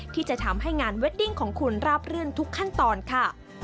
ที่จะทำให้งานเวดดิ้งของคุณราบรื่นทุกขั้นตอนค่ะ